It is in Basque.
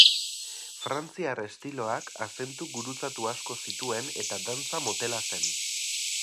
Frantziar estiloak azentu gurutzatu asko zituen eta dantza motela zen.